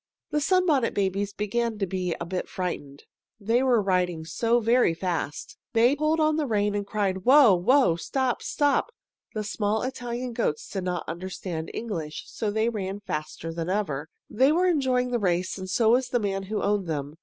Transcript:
The Sunbonnet Babies began to be a bit frightened, they were riding so very fast. May pulled on the reins and cried, "Whoa! whoa! stop! stop!" The small Italian goats did not understand English, so they ran faster than ever. They were enjoying the race, and so was the man who owned them.